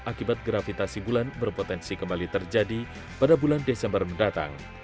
akibat gravitasi bulan berpotensi kembali terjadi pada bulan desember mendatang